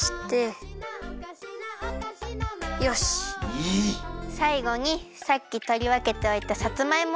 さいごにさっきとりわけておいたさつまいもをのせます。